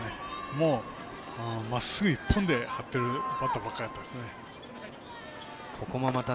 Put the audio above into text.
もう、まっすぐ１本で張っているバッターばかりでした。